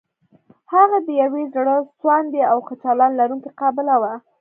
هغې د يوې زړه سواندې او ښه چلند لرونکې قابله وه.